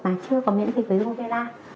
mà chưa có miễn phí với rubella